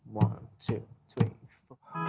วันที่สุดที่สุด